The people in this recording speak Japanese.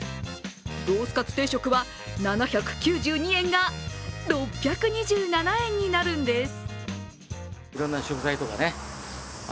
ロースカツ定食は７９２円が６２７円になるんです。